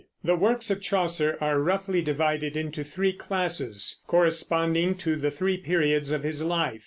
The works of Chaucer are roughly divided into three classes, corresponding to the three periods of his life.